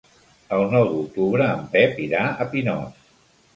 El nou d'octubre en Pep irà a Pinós.